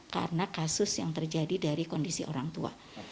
karena kasus yang terjadi dari kondisi orang tua